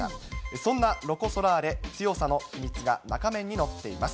そんなロコ・ソラーレ、強さの秘密が中面に載っています。